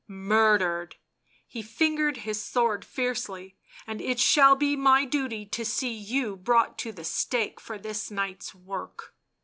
" Murdered !" He fingered his sword fiercely. " And it shall be my duty to see you brought to the stake for this night's work."